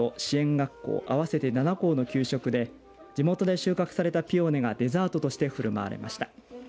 学校合わせて７校の給食で地元で収穫されたピオーネがデザートとして振る舞われました。